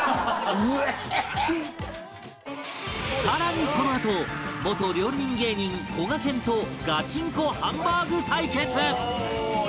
更にこのあと元料理人芸人こがけんとガチンコハンバーグ対決